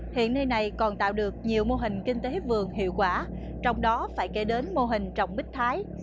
hiện nay này còn tạo được nhiều mô hình kinh tế vườn hiệu quả trong đó phải kể đến mô hình trọng bích thái